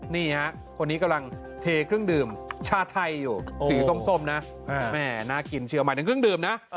นี่ฮะคนนี้กำลังเทเครื่องดื่มชาไทยอยู่สีส้มนะแม่น่ากินเชื่อหมายถึงเครื่องดื่มนะ